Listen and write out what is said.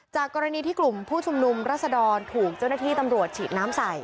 กรณีที่กลุ่มผู้ชุมนุมรัศดรถูกเจ้าหน้าที่ตำรวจฉีดน้ำใส่